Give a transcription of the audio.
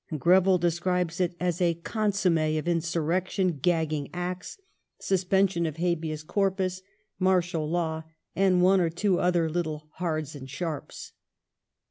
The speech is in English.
Greville describes it as "a consomm^ of insurrection gagging Acts, suspension of Habeas Corpus, martial law, and one or two other little hards and sharps".